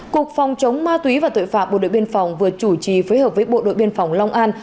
cục phòng chống ma túy và tội phạm bộ đội biên phòng vừa chủ trì phối hợp với bộ đội biên phòng long an